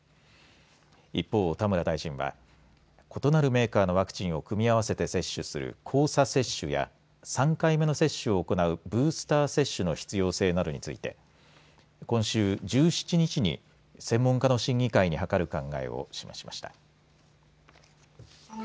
一方、田村大臣は異なるメーカーのワクチンを組み合わせて接種する交差接種や３回目の接種を行うブースター接種の必要性などについて今週１７日に専門家の審議会に諮る考えを示しました。